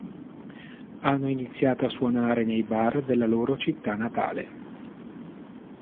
Hanno iniziato a suonare nei bar della loro città natale.